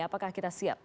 apakah kita siap